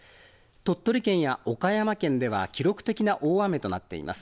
鳥取県や岡山県では記録的な大雨となっています。